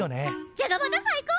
じゃがバタ最高！